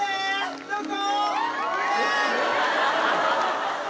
どこ？